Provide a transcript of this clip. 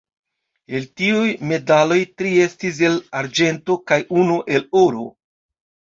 El tiuj medaloj tri estis el arĝento kaj unu el oro.